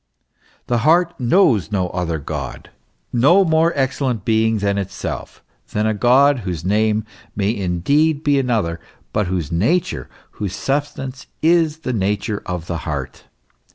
The heart knows no other THE MYSTERY OF THE SUFFERING GOD. 59 God, no more excellent being than itself, than a God whose name may indeed be another, but whose nature, whose sub stance, is the nature of the heart.